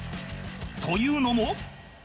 というのも